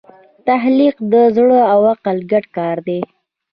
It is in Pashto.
تخلیق د زړه او عقل ګډ کار دی.